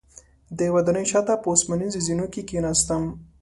د ودانۍ شاته په اوسپنیزو زینو کې کیناستم.